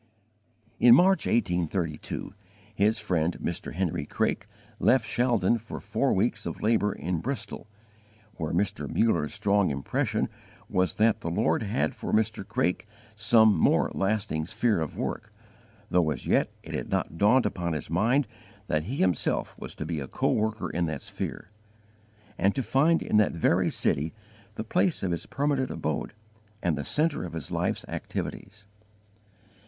In March, 1832, his friend Mr. Henry Craik left Shaldon for four weeks of labour in Bristol, where Mr. Muller's strong impression was that the Lord had for Mr. Craik some more lasting sphere of work, though as yet it had not dawned upon his mind that he himself was to be a co worker in that sphere, and to find in that very city the place of his permanent abode and the centre of his life's activities.